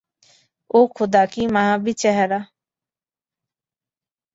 ওহ খোদা, কি মায়াবী চেহারা!